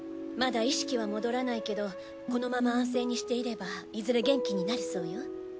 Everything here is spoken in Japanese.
まだ意識は戻らないけどこのまま安静にしていればいずれ元気になるそうよ。